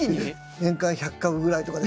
年間１００株ぐらいとかで。